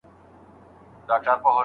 د مور نقش د لوڼو په روزنه کي کم نه دی.